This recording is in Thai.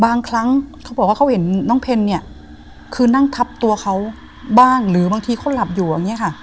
บางครั้งเขาบอกว่าเขาเห็นน้องเพนเนี่ยคือนั่งทับตัวเขาบ้างหรือบางทีเขาหลับอยู่อย่างเงี้ค่ะ